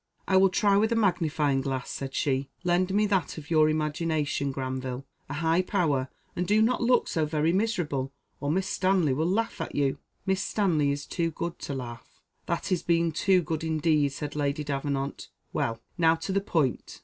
"I will try with a magnifying glass," said she; "lend me that of your imagination, Granville a high power, and do not look so very miserable, or Miss Stanley will laugh at you." "Miss Stanley is too good to laugh." "That is being too good indeed," said Lady Davenant. "Well, now to the point."